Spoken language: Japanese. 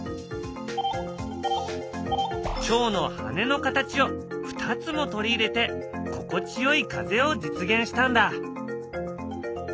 チョウの羽の形を２つも取り入れて心地よい風を実現したんだ。